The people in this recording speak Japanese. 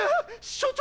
所長！